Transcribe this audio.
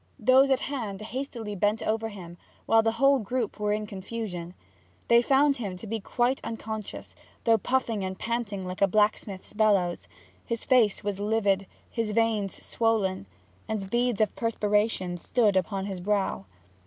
Those at hand hastily bent over him, and the whole group were in confusion. They found him to be quite unconscious, though puffing and panting like a blacksmith's bellows. His face was livid, his veins swollen, and beads of perspiration stood upon his brow.